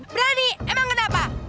berani emang kenapa